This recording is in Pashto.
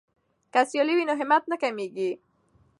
که سیالي وي نو همت نه کمیږي.